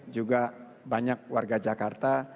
juga banyak warga jakarta